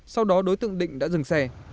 sau đó đối tượng định đã dừng xe